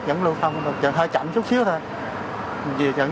vẫn luôn xong chẳng chẳng chút xíu thôi